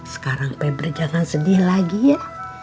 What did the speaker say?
sekarang peber jangan sedih lagi ya